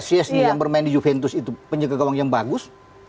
csi yang bermain di juventus itu penjaga gawang yang bagus